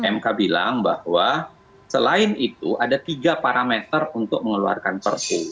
mk bilang bahwa selain itu ada tiga parameter untuk mengeluarkan perpu